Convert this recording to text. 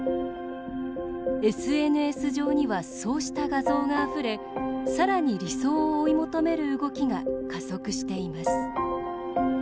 ＳＮＳ上にはそうした画像があふれさらに、理想を追い求める動きが加速しています。